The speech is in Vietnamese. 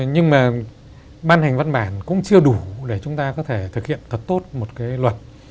nhưng mà ban hành văn bản cũng chưa đủ để chúng ta có thể thực hiện thật tốt một cái luật